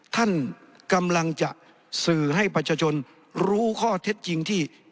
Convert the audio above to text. ท่านกำลังจะสื่อให้ประชาชนรู้ข้อเท็จจริงที่